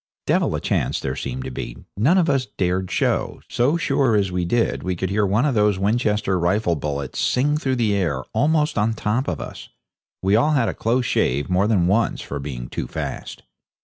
Devil a chance there seemed to be; none of us dared show. So sure as we did we could hear one of those Winchester rifle bullets sing through the air, almost on the top of us. We all had a close shave more than once for being too fast.